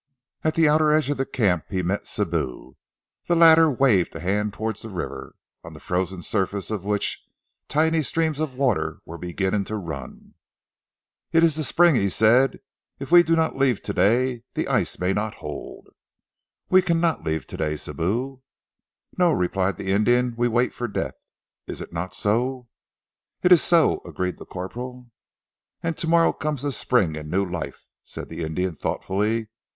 At the outer edge of the camp he met Sibou. The latter waved a hand towards the river, on the frozen surface of which tiny streams of water were beginning to run. "It is the spring," he said. "If we do not leave today the ice may not hold." "We cannot leave today, Sibou." "No," replied the Indian. "We wait for death. Is it not so?" "It is so!" agreed the corporal. "And tomorrow comes the spring and new life," said the Indian thoughtfully.